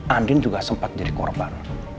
andin juga sempat jadi korban